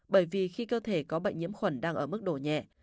bởi vì khi cơ thể có bệnh nhiễm khuẩn đang ở mức độ nhẹ